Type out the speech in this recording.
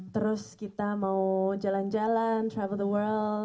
terus kita mau jalan jalan travel the world